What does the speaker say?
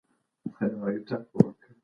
چارمغز دماغ ته ګټه رسوي.